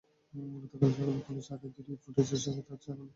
গতকাল সকালে পুলিশ আগের ভিডিও ফুটেজের সঙ্গে তাঁদের চেহারা মিলিয়ে নেয়।